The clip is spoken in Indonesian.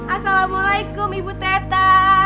assalamualaikum ibu teta